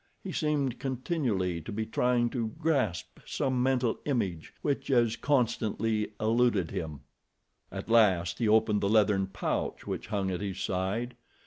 He seemed continually to be trying to grasp some mental image which as constantly eluded him. At last he opened the leathern pouch which hung at his side.